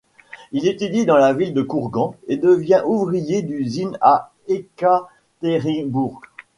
Il étudie dans la ville de Kourgan et devient ouvrier d'usine à Ekaterinbourg.